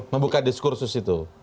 membuka diskursus itu